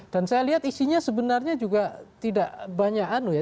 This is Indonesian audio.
dan saya lihat isinya sebenarnya juga tidak banyak anu ya